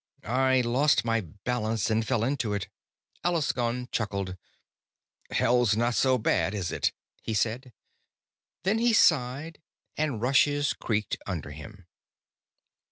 "I lost my balance and fell into it." Alaskon chuckled. "Hell's not so bad, is it?" he said. Then he sighed, and rushes creaked under him.